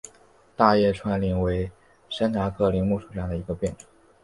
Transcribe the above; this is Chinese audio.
大叶川柃为山茶科柃木属下的一个变种。